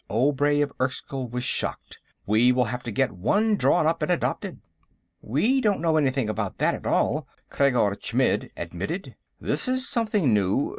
Obray of Erskyll was shocked. "We will have to get one drawn up and adopted." "We don't know anything about that at all," Khreggor Chmidd admitted. "This is something new.